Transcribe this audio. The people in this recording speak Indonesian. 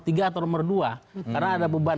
tiga atau nomor dua karena ada beban